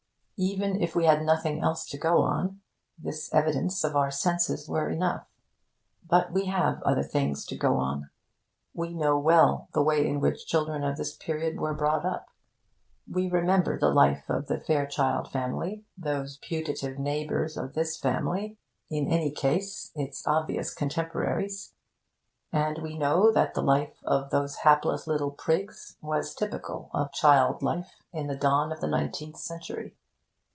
Even if we had nothing else to go on, this evidence of our senses were enough. But we have other things to go on. We know well the way in which children of this period were brought up. We remember the life of 'The Fairchild Family,' those putative neighbours of this family in any case, its obvious contemporaries; and we know that the life of those hapless little prigs was typical of child life in the dawn of the nineteenth century.